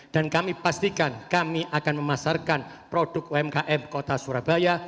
dan kami pastikan kami akan memasarkan produk umkm kota surabaya